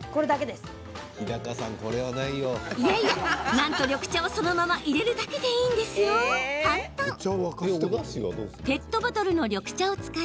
なんと緑茶を、そのまま入れるだけでいいんですって。